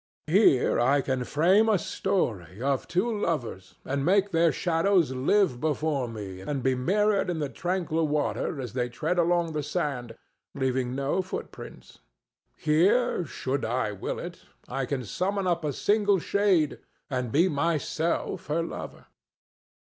Here can I frame a story of two lovers, and make their shadows live before me and be mirrored in the tranquil water as they tread along the sand, leaving no footprints. Here, should I will it, I can summon up a single shade and be myself her lover.